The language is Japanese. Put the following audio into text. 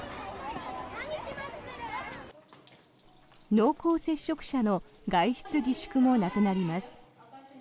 濃厚接触者の外出自粛もなくなります。